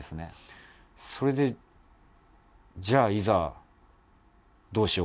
それでじゃあいざどうしようかってなって。